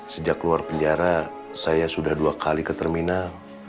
sejak keluar penjara saya sudah dua kali ke terminal